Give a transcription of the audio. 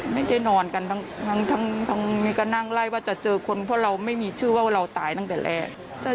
ไม่ได้นอนกันทั้งมีการนั่งไล่ว่าจะเจอคนเพราะเราไม่มีชื่อว่าเราตายตั้งแต่แรก